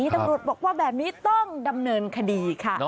ตำรวจบอกว่าแบบนี้ต้องดำเนินคดีค่ะ